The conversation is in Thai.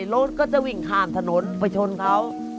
รถก็จะวิ่งผ่านถนนไปชนเขา